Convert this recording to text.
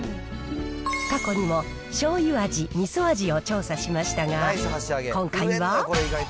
過去にもしょうゆ味、みそ味を調査しましたが、今回は。